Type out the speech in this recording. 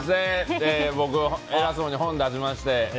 僕、偉そうに本を出しまして。